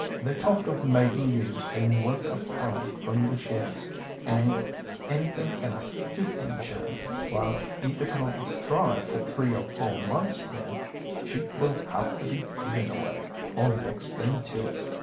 They talk of maiden ewes being worth a pound from the shears, and anything else fifteen shillings, while if it holds dry for three or four months here, sheep will have to be given away, or next thing to it."